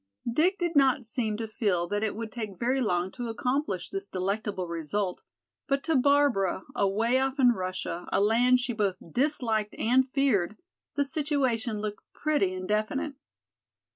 Dick did not seem to feel that it would take very long to accomplish this delectable result, but to Barbara, away off in Russia, a land she both disliked and feared, the situation looked pretty indefinite.